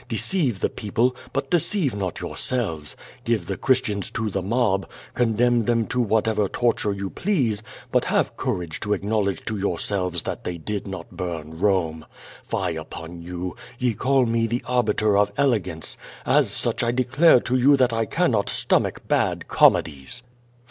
Deceive the people, but deceive not yourselves. Give the Christians to the mob. Condemn them to whatever torture you please; but have courage to acknowl edge to yourselves that they did not burn Rome. Fie upon you! Ye call me the Arbiter of Elegance. As such I declare to you that I cannot stomach bad comedies.